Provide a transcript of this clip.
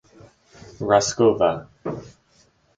Raskova.